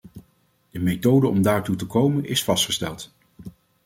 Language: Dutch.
De methode om daartoe te komen is vastgesteld.